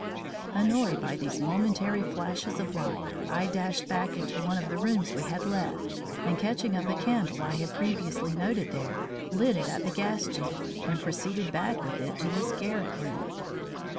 Annoyed by these momentary flashes of light, I dashed back into one of the rooms we had left, and catching up a candle I had previously noted there, lit it at the gas jet, and proceeded back with it to this garret room.